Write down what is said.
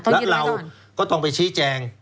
แล้วเราก็ต้องไปชี้แจง